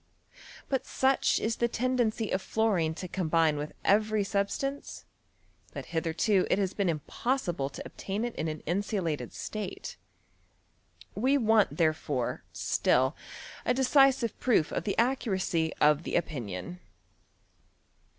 But such is the tendency of fluorine to combine with every sub stance, that hitherto it has been impossible to ob tain it in an insulated state. We want therefore, still, a decisive proof of the accuracy of the opinion.